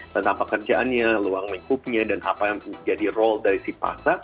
tentang pekerjaannya luang lingkupnya dan apa yang jadi role dari sipa